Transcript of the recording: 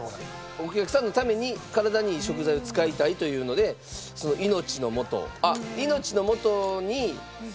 お客さんのために体にいい食材を使いたいというのでその命のもとあっ！